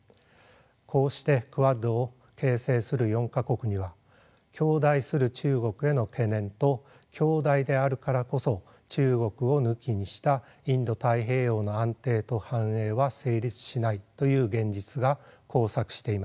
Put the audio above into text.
こうしてクアッドを形成する４か国には強大する中国への懸念と強大であるからこそ中国を抜きにしたインド太平洋の安定と繁栄は成立しないという現実が交錯しています。